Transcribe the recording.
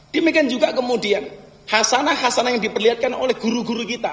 demikian juga kemudian hasanah khasanah yang diperlihatkan oleh guru guru kita